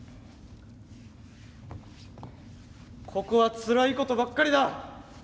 ここはつらいことばっかりだ！